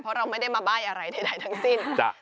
เพราะเราไม่ได้มาใบ้อะไรใดทั้งสิ้น